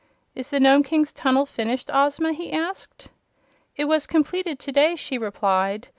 "Is the Nome King's tunnel finished, Ozma?" he asked. "It was completed to day," she replied.